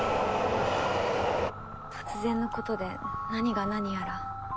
突然のことで何が何やら。